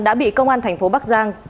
đã bị công an tp bắc giang